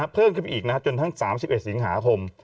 เพิ่มขึ้นไปอีกจนทั้ง๓๑สิงหาคม